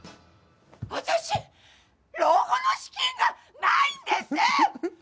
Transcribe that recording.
私、老後の資金がないんです！